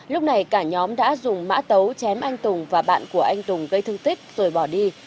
lúc này cả nhóm đã dùng mã tấu chém anh tùng và bạn của anh tùng gây thương tích rồi bỏ đi